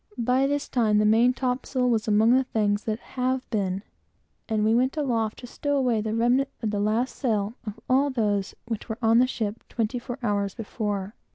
By this time the main topsail was among the things that have been, and we went aloft to stow away the remnant of the last sail of all those which were on the ship twenty four hours before.